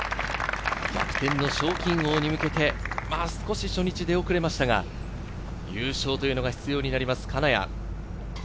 逆転の賞金王に向けて少し初日、出遅れましたが、優勝というのが必要になります、金谷。